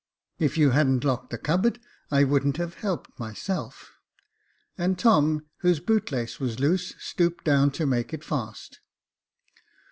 If you hadn't locked the cupboard, I wouldn't have helped myself." And Tom, whose bootlace was loose, stooped down to make it fast.